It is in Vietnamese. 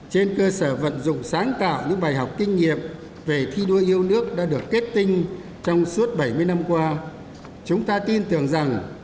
trên cơ sở vận dụng sáng tạo những bài học kinh nghiệm về thi đua yêu nước đã được kết tinh trong suốt bảy mươi năm qua chúng ta tin tưởng rằng